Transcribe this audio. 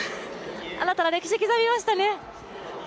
新たな歴史、刻みましたね。